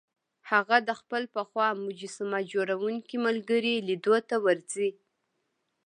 هغه د خپل پخوا مجسمه جوړوونکي ملګري لیدو ته ورځي